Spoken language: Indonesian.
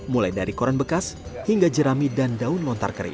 mulai dari koran bekas hingga jerami dan daun lontar kering